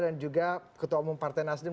dan juga ketua umum partai nasdem